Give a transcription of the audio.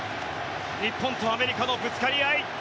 日本とアメリカのぶつかり合い。